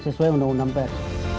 sesuai undang undang pes